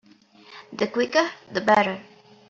The quicker the better.